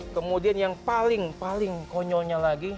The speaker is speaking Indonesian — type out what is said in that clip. kemudian yang paling paling konyolnya lagi